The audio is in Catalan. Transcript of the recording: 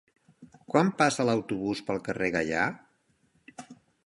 Quan passa l'autobús pel carrer Gaià?